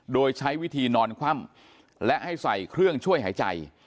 โดยใช้วิธีนอนคว่ำและให้ใส่เครื่องช่วยหายใจ